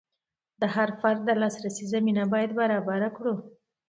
د هر فرد د لاسرسي زمینه باید برابره کړو.